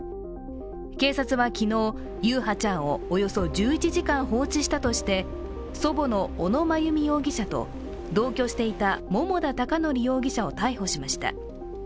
警察は昨日、優陽ちゃんをおよそ１１時間放置したとして祖母の小野真由美容疑者と同居していた桃田貴徳容疑者を逮捕しました。